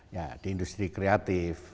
ya di industri kreatif